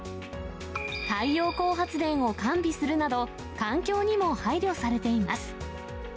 太陽光発電を完備するなど、環境にも配慮されています。